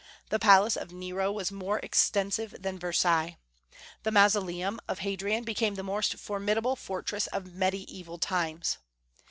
The palace of Nero was more extensive than Versailles. The mausoleum of Hadrian became the most formidable fortress of Mediaeval times.